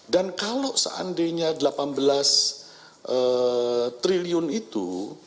dan kalau seandainya delapan belas triliun itu